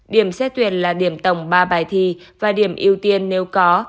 điểm xét tuyển là điểm tổng ba bài thi và điểm ưu tiên nếu có